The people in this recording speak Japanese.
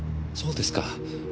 そうですか。